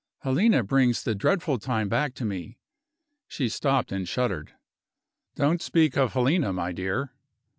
"Helena brings the dreadful time back to me " She stopped and shuddered. "Don't speak of Helena, my dear."